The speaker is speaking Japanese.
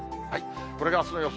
これがあすの予想